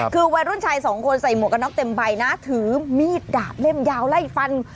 คือวัยรุ่นชายสองคนใส่หมวกกันน็อกเต็มใบนะถือมีดดาบเล่มยาวไล่ฟัน